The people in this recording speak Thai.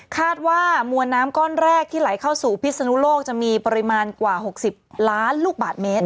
คาดว่ามวลน้ำก้อนแรกที่ไหลเข้าสู่พิศนุโลกจะมีปริมาณกว่า๖๐ล้านลูกบาทเมตร